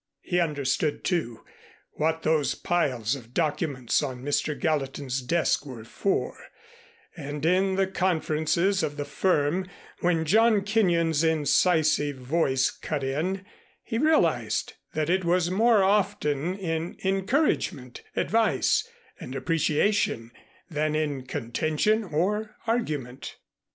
He understood, too, what those piles of documents on Mr. Gallatin's desk were for, and in the conferences of the firm, when John Kenyon's incisive voice cut in, he realized that it was more often in encouragement, advice, and appreciation, than in contention or argument.